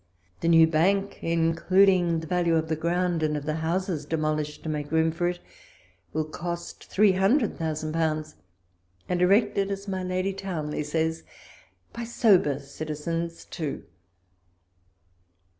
The new bank, including the value of the ground, and of the houses demolished to make room for it, will cost three hundred thousand pounds ; and erected, as my Lady Townley says, by sober citizens ton!